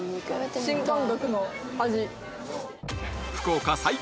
新感覚の味